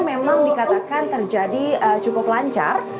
memang dikatakan terjadi cukup lancar